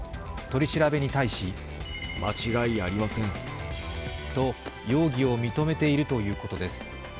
取り調べに対し間違いありませんと容疑を認めているということです。